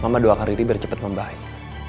mama doakan diri biar cepat membaik